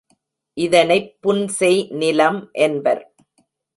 இதனைப் புன்செய் நிலம் என்பர்.